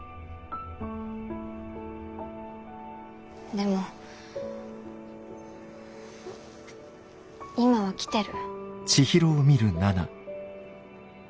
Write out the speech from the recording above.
でも今は来てる。